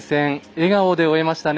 笑顔で終えましたね。